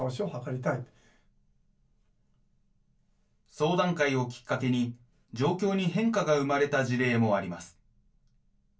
相談会をきっかけに、状況に変化が生まれた事例もあります。